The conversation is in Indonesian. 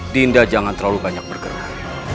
dinda jangan terlalu banyak bergerak